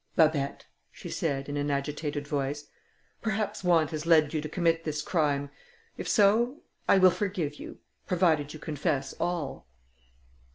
"Babet," she said, in an agitated voice, "perhaps want has led you to commit this crime; if so, I will forgive you, provided you confess all."